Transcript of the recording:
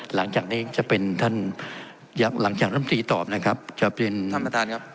หลังจากนี้จะเป็นท่านหลังจากร่ำตรีตอบนะครับกลับเรียนท่านประธานครับ